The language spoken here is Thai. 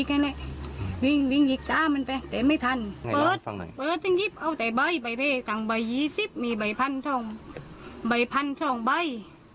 เปิดจึงยิ้มเอาแต่ใบไปไปต่างใบ๒๐มีใบ๑๐๐๐ช่องใบ๑๐๐๐ช่องใบ